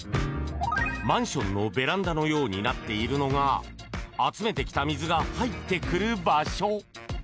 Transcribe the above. マンションのベランダのようになっているのが集めてきた水が入ってくる場所。